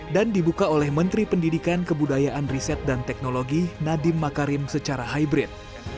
dan dibuka oleh menteri pendidikan kebudayaan riset dan teknologi nadiem makarim secara hybrid